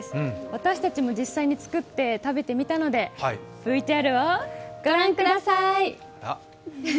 私たちも実際に作って食べてみたので、ＶＴＲを御覧ください。